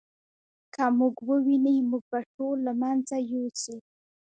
که موږ وویني موږ به ټول له منځه یوسي.